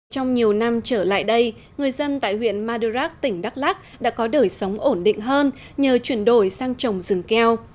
trong nhiều năm trở lại đây người dân tại huyện madurak tỉnh đắk lắc đã có đời sống ổn định hơn nhờ chuyển đổi sang trồng rừng keo